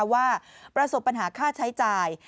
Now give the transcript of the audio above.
ว่าประสบปัญหาค่าใช้จ่าย